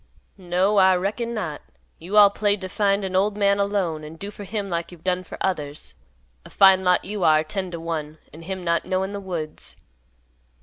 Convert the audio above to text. "No, I reckon not. You all played to find an old man alone, and do for him like you've done for others. A fine lot you are, ten to one, and him not knowin' the woods."